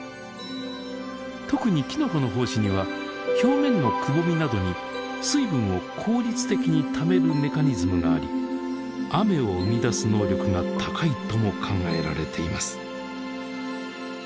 特にきのこの胞子には表面のくぼみなどに水分を効率的にためるメカニズムがあり雨を生み出す能力が高いとも考えられています。